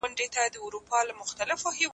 املا د زده کړي د پروسې یوه فعاله برخه ده.